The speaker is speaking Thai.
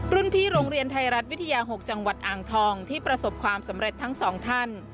พี่โรงเรียนไทยรัฐวิทยา๖จังหวัดอ่างทองที่ประสบความสำเร็จทั้งสองท่าน